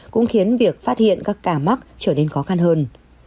cũng khiến việc phát hiện các ca mắc trở nên khó khăn hơn